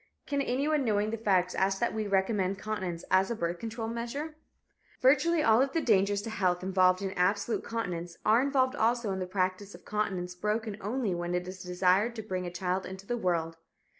Can anyone knowing the facts ask that we recommend continence as a birth control measure? Virtually all of the dangers to health involved in absolute continence are involved also in the practice of continence broken only when it is desired to bring a child into the world.